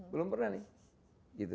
belum pernah nih